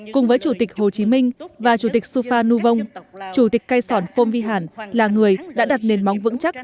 cùng với chủ tịch hồ chí minh và chủ tịch sufa nu vong chủ tịch cây sòn phôm vi hản là người đã đặt nền móng vững chắc